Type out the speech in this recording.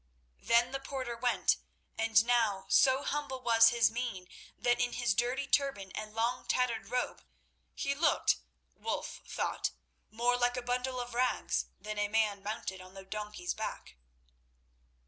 Then the porter went, and now so humble was his mien that in his dirty turban and long, tattered robe he looked, Wulf thought, more like a bundle of rags than a man mounted on the donkey's back.